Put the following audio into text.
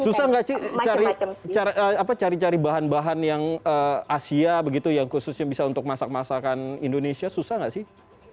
susah nggak sih cari cari bahan bahan yang asia begitu yang khususnya bisa untuk masak masakan indonesia susah nggak sih